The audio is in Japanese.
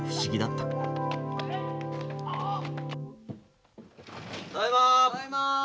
ただいま！